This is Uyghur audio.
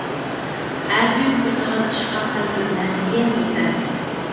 ئەتە يۈز بېرىدىغان ئىشقا سەن بىرنەرسە دېيەلمەيسەن.